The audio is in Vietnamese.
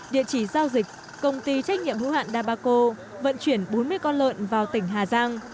địa chỉ giao dịch công ty trách nhiệm hữu hạn dabaco vận chuyển bốn mươi con lợn vào tỉnh hà giang